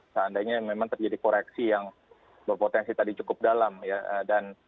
seandainya memang terjadi koreksi yang berpotensi tadi cukup dalam ya